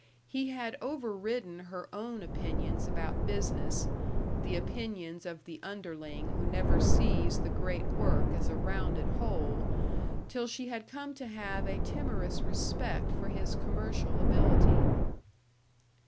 He had over ridden her own opinions about business the opinions of the underling who never sees the great work as a rounded whole till she had come to have a timorous respect for his commercial ability.